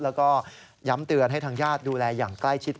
แล้วก็ย้ำเตือนให้ทางญาติดูแลอย่างใกล้ชิด